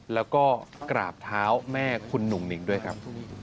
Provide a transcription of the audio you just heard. แล้วก็กราบเท้าแม่คุณหนุ่งหนิงด้วยครับ